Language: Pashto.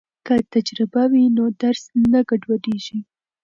که تجربه وي نو درس نه ګډوډیږي.